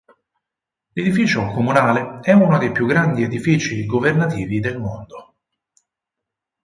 L'edificio comunale è uno dei più grandi edifici governativi del mondo.